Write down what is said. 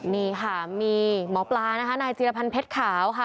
นี่ค่ะมีหมอปลานะคะนายจีรพันธ์เพชรขาวค่ะ